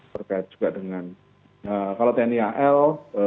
terkait juga dengan kalau tni al